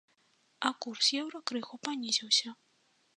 А курс еўра крыху панізіўся.